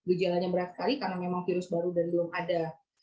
untuk menurunkan penurunan virus baru yang belum ada